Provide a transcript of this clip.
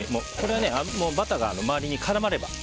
バターが周りに絡まれば。